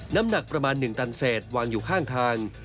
น้ำหนักประมาณ๑ตันเศษวางอยู่ข้างทาง